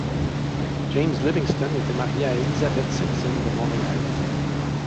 James Livingston était marié à Elizabeth Simpson de Montréal.